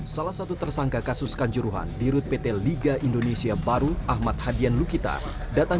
salah satu tersangka kasus kanjuruhan di rut pt liga indonesia baru ahmad hadian lukitar datang